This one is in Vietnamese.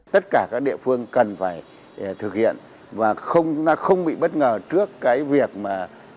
tất cả các địa phương cần phải thực hiện và không bị bất ngờ trước cái việc mà